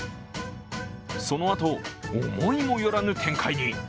そのあと、思いもよらぬ展開に。